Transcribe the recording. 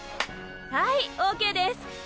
はいオーケーです。